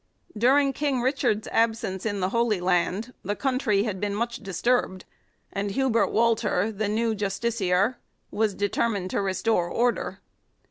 During King Richard's absence in the Holy Land the country had been much dis turbed ; and Hubert Walter, the new justiciar, was determined to restore order.